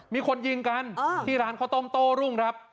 มีคนยิงกันที่ร้านข้าวต้มโต้รุ่งครับ